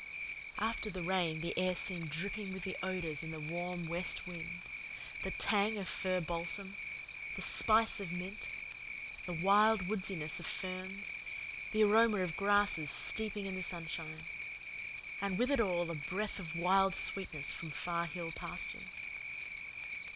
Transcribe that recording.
After the rain the air seemed dripping with odours in the warm west wind the tang of fir balsam, the spice of mint, the wild woodsiness of ferns, the aroma of grasses steeping in the sunshine, and with it all a breath of wild sweetness from far hill pastures.